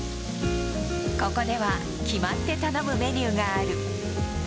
ここでは決まって頼むメニューがある。